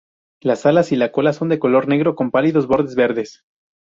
Las alas y la cola son de color negro con pálidos bordes verdes.